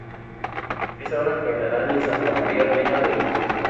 Es ahora cardenal de Santa Maria Reina del Mundo